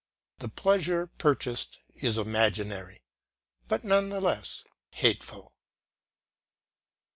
The pleasure purchased is imaginary, but none the less hateful.